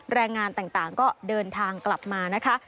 แรงงานต่างก็เดินทางกลับมานะคะ